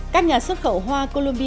các nhà xuất khẩu hoa colombia